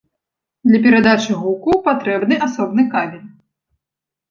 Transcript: Для перадачы гуку патрэбны асобны кабель.